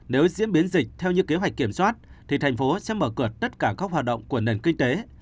nếu diễn biến dịch theo như kế hoạch kiểm soát thì thành phố sẽ mở cửa tất cả các hoạt động của nền kinh tế